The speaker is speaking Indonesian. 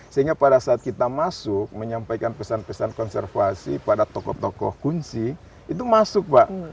sehingga pada saat kita masuk menyampaikan pesan pesan konservasi pada tokoh tokoh kunci itu masuk pak